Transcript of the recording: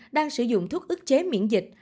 đang sử dụng thuốc ức chế miễn dịch